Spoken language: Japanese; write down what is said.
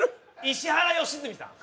石原良純さん。